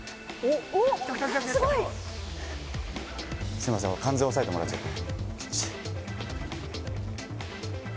すみません、完全、押さえてもらっちゃって。